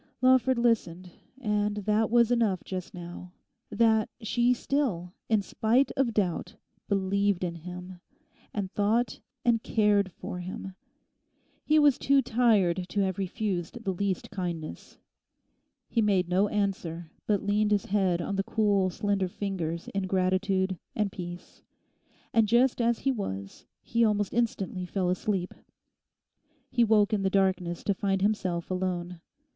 Lawford listened; and that was enough just now—that she still, in spite of doubt, believed in him, and thought and cared for him. He was too tired to have refused the least kindness. He made no answer, but leant his head on the cool, slender fingers in gratitude and peace. And, just as he was, he almost instantly fell asleep. He woke in the darkness to find himself alone.